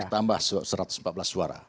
tambah satu ratus empat belas suara